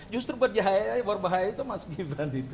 justru berbahaya itu mas gibran itu